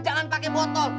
jangan pake botol